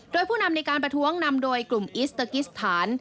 โดยผู้นำในการประท้วงนำโดยกลุ่มอิสเตอร์กิสถาน